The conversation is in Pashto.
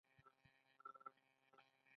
بیزو د ونو پاڼې هم خوري.